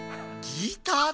ギターだ。